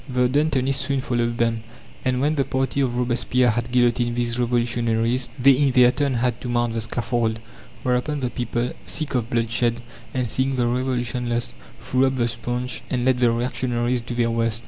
The Dantonists soon followed them; and when the party of Robespierre had guillotined these revolutionaries, they in their turn had to mount the scaffold; whereupon the people, sick of bloodshed, and seeing the revolution lost, threw up the sponge, and let the reactionaries do their worst.